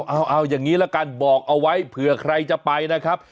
เอาอย่างนี้ละกันบอกเอาไว้เผื่อใครจะไปนะครับ